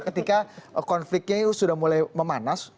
ketika konfliknya sudah mulai memanas